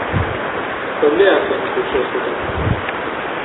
¿Dónde hacen cursos de catalán?